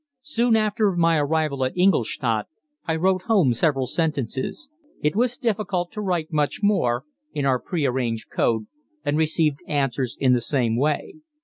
Soon after my arrival at Ingolstadt I wrote home several sentences it was difficult to write much more in our prearranged code, and received answers in the same way.